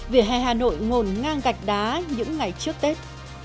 vỉa hè hà nội ngồn ngang gạch đá những ngày trước tết